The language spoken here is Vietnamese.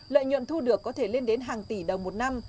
lợi nhuận thu được có thể lên đến hàng tỷ đồng một năm